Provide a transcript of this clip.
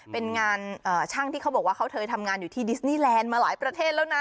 เป็นงานช่างที่เขาบอกว่าเขาเคยทำงานอยู่ที่ดิสนีแลนด์มาหลายประเทศแล้วนะ